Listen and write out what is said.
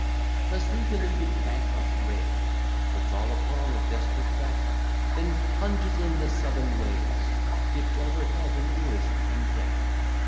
Thus the deluded bankrupt raves, Puts all upon a desperate bet; Then plunges in the Southern waves, Dipt over head and ears in debt.